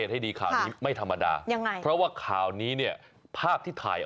วิ่งแบบพี่ตูนวิ่งแบบพี่ตูน